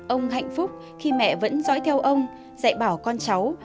ông hạnh phúc khi mẹ vẫn dõi theo ông dạy bảo con cháu